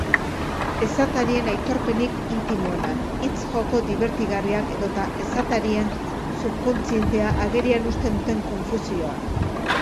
Esatarien aitorpenik intimoenak, hitz-joko dibertigarriak edota esatarien subkontzientea agerian uzten duten konfusioak.